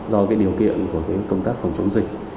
do cái điều kiện của cái công tác phòng chống dịch